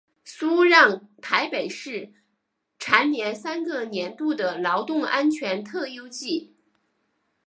苏让台北市蝉联三个年度的劳动安全特优纪。